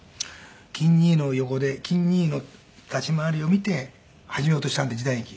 「錦兄の横で錦兄の立ち回りを見て始めようとしたんだ時代劇。